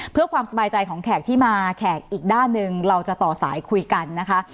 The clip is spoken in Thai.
เพื่อความสบายใจของแขกที่มาแขกอีกด้านหนึ่งเราจะต่อสายคุยกันนะคะ